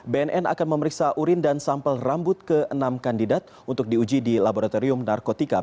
bnn akan memeriksa urin dan sampel rambut ke enam kandidat untuk diuji di laboratorium narkotika